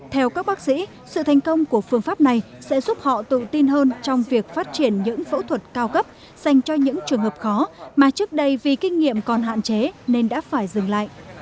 theo các bác sĩ sự thành công của phương pháp này sẽ giúp họ tự tin hơn trong việc phát triển những phẫu thuật cao cấp dành cho những trường hợp khó mà trước đây vì kinh nghiệm còn hạn chế nên đã phải dừng lại